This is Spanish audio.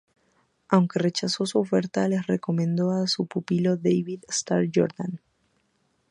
Aunque rechazó su oferta, les recomendó a su pupilo David Starr Jordan.